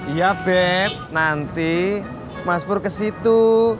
iya bed nanti mas pur ke situ